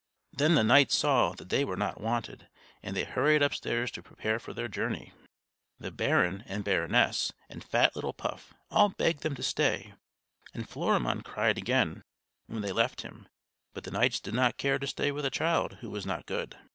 Then the knights saw that they were not wanted, and they hurried upstairs to prepare for their journey. The baron and baroness and fat little Puff all begged them to stay, and Florimond cried again when they left him; but the knights did not care to stay with a child who was not good.